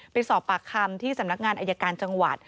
ไปสอบปากคำที่สำนักงานอายการจังหวัด